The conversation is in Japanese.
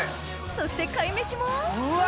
そして貝飯もうわ！